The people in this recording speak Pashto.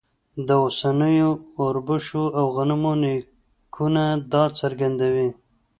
د اوسنیو اوربشو او غنمو نیکونه دا څرګندوي.